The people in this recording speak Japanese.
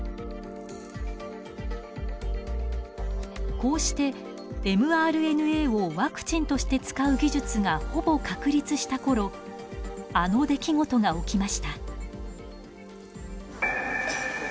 こうしてｍＲＮＡをワクチンとして使う技術がほぼ確立したころあの出来事が起きました。